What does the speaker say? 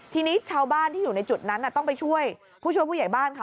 ทีนี้ชาวบ้านที่อยู่ในจุดนั้นต้องไปช่วยผู้ช่วยผู้ใหญ่บ้านค่ะ